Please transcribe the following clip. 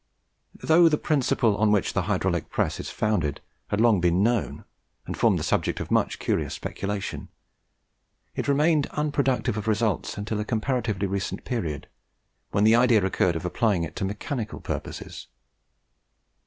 Though the principle on which the Hydraulic Press is founded had long been known, and formed the subject of much curious speculation, it remained unproductive of results until a comparatively recent period, when the idea occurred of applying it to mechanical purposes.